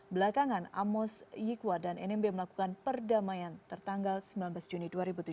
belakangan amos yikwa dan nmb melakukan perdamaian tertanggal sembilan belas juni dua ribu tujuh belas